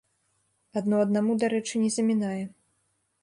Адно аднаму, дарэчы, не замінае.